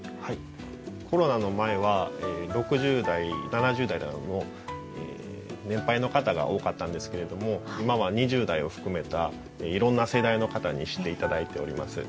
コロナの前は６０代７０代などの年配の方が多かったんですけれども今は２０代を含めたいろんな世代の方に知って頂いております。